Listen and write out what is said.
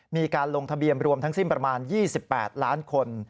มีการลงทะเบียนรวมทั้งสิ้นประมาณ๒๘ล้านคน